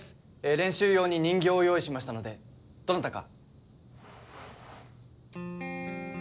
練習用に人形を用意しましたのでどなたか。